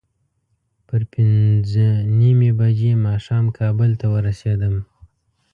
پر پینځه نیمې بجې ماښام کابل ته ورسېدم.